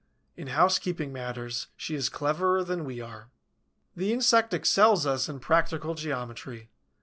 In housekeeping matters she is cleverer than we are. The insect excels us in practical geometry.